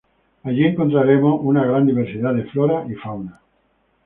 Aquí encontramos una gran diversidad de flora y fauna.